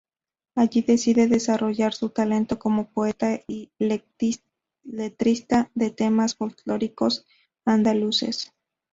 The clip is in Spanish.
Allí decide desarrollar su talento como poeta y letrista de temas folclóricos andaluces.